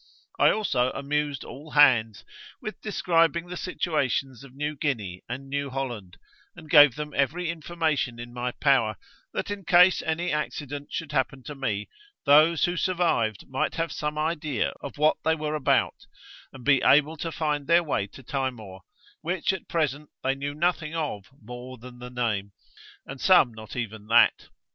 I also amused all hands with describing the situations of New Guinea and New Holland, and gave them every information in my power, that in case any accident should happen to me, those who survived might have some idea of what they were about, and be able to find their way to Timor, which at present they knew nothing of more than the name, and some not even that.